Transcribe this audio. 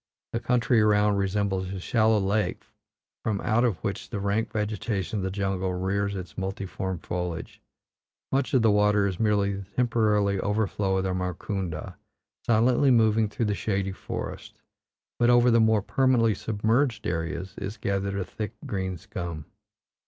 The country around resembles a shallow lake from out of which the rank vegetation of the jungle rears its multiform foliage; much of the water is merely the temporary overflow of the Markunda, silently moving through the shady forest, but over the more permanently submerged areas is gathered a thick green scum.